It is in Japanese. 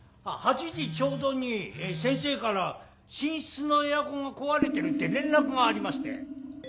８時ちょうどに先生から寝室のエアコンが壊れてるって連絡がありまして。